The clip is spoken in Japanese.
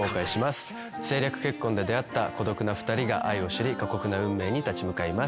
政略結婚で出会った孤独な２人が愛を知り過酷な運命に立ち向かいます。